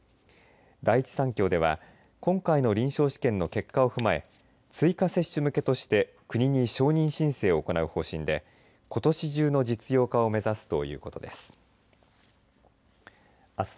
第一三共では今回の臨床試験の結果を踏まえ追加接種向けとして国に承認申請を行う方針でことし中の実用化を目指すということです。